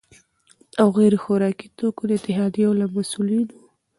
او غیر خوراکي توکو د اتحادیو له مسؤلینو،